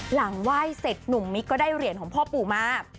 หลังไหว้เสร็จหนุ่มมิ๊กก็ได้เหรียญของพ่อปู่มา